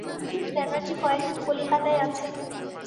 Mrs Banerjee কয়েকদিন কলিকাতায় আছেন।